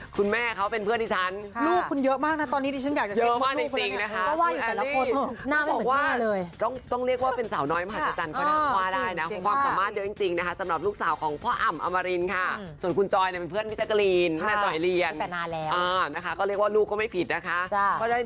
คุณผู้ชมจากเมทีเดียวกันค่ะเจอนี่เลยค่ะลูกสาวที่ฉัน